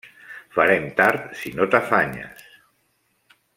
Farem tard si no t'afanyes.